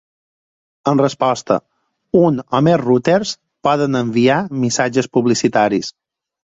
En resposta, un o més routers poden enviar missatges publicitaris.